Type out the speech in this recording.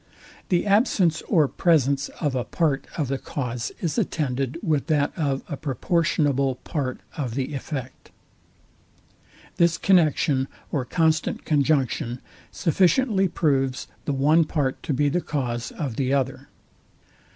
The absence or presence of a part of the cause is attended with that of a proportionable part of the effect. This connexion or constant conjunction sufficiently proves the one part to be the cause of the other.